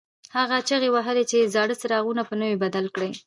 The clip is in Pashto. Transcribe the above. هغه چیغې وهلې چې زاړه څراغونه په نویو بدل کړئ.